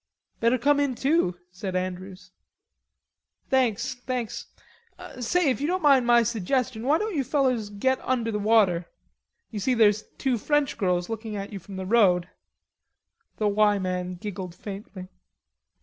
"Better come in, too," said Andrews. "Thanks, thanks.... Say, if you don't mind my suggestion, why don't you fellers get under the water.... You see there's two French girls looking at you from the road." The "Y" man giggled faintly.